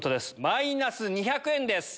マイナス２００円です。